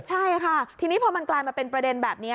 ใช่ค่ะทีนี้พอมันกลายมาเป็นประเด็นแบบนี้